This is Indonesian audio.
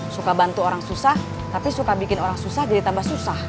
suka bantu orang susah tapi suka bikin orang susah jadi tambah susah